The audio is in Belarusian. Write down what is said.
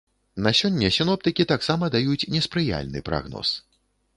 На сёння сіноптыкі таксама даюць неспрыяльны прагноз.